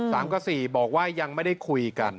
กับสี่บอกว่ายังไม่ได้คุยกัน